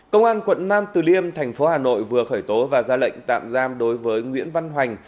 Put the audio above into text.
công an quận nam từ liêm thành phố hà nội vừa khởi tố và ra lệnh tạm giam đối với nguyễn văn hoành